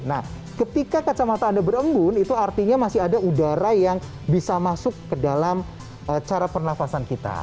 nah ketika kacamata anda berembun itu artinya masih ada udara yang bisa masuk ke dalam cara pernafasan kita